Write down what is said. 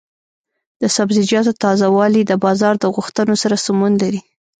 د سبزیجاتو تازه والي د بازار د غوښتنو سره سمون لري.